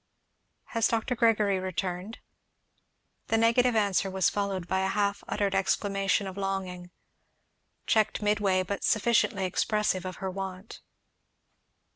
"Has Dr. Gregory returned?" The negative answer was followed by a half uttered exclamation of longing, checked midway, but sufficiently expressive of her want.